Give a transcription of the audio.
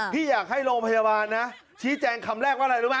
พี่อยากให้โรงพยาบาลนะชี้แจงคำแรกว่าอะไรรู้ไหม